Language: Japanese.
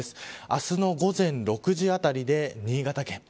明日の午前６時あたりで新潟県。